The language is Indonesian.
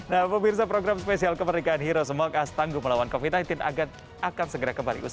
nah pemirsa program spesial kemerdekaan hero semoga setangguh melawan covid sembilan belas akan segera kembali